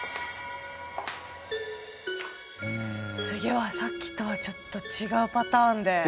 次はさっきとはちょっと違うパターンで。